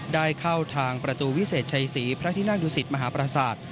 ได้เข้าทางประตูวิเศษชัยศรีพระที่นั่งดุสิตมหาปราศาสตร์